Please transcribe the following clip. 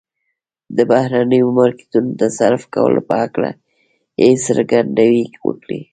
د بهرنيو مارکيټونو د تصرف کولو په هکله يې څرګندونې وکړې.